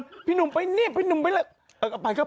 ก็พอจะแตกเหรอเออพอจะแตกเหรอ